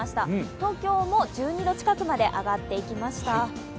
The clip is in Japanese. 東京も１２度近くまで上がっていきました。